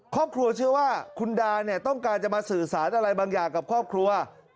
ครอบครัวเชื่อว่าคุณดาเนี่ยต้องการจะมาสื่อสารอะไรบางอย่างกับครอบครัว